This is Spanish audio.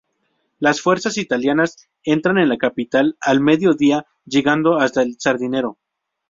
Las fuerzas italianas entran en la capital al mediodía, llegando hasta El Sardinero.